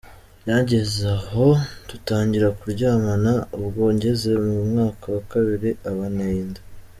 Byageze aho dutangira kuryamana, ubwo ngeze mu mwaka wa kabiri aba anteye inda.